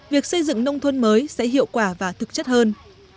việc xây dựng nông thôn mới sẽ hiệu quả và thực chất hơn